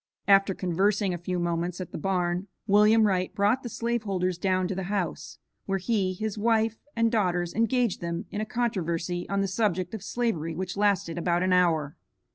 After conversing a few moments at the barn, William Wright brought the slave holders down to the house, where he, his wife and daughters engaged them in a controversy on the subject of slavery which lasted about an hour.